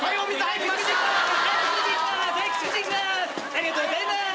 ありがとうございます。